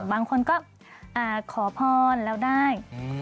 บางคนก็ขอพรแล้วได้